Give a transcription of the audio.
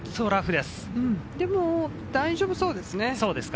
でも大丈夫そうですね。